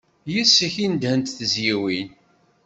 Yes-k i nedhent tezyiwin.